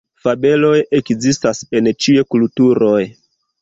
Fabeloj ekzistas en ĉiuj kulturoj.